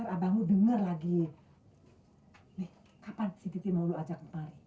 abang denger lagi kapan si timur ajak